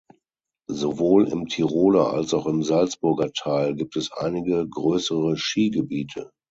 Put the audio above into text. Sowohl im Tiroler als auch im Salzburger Teil gibt es einige größere Skigebiete.